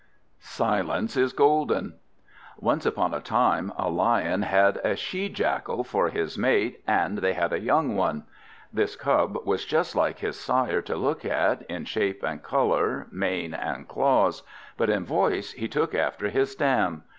SILENCE IS GOLDEN Once upon a time a Lion had a she jackal for his mate, and they had a young one. This Cub was just like his sire to look at, in shape and colour, mane and claws; but in voice he took after his dam.